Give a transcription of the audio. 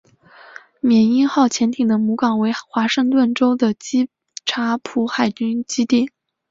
缅因号潜艇的母港为华盛顿州的基察普海军基地。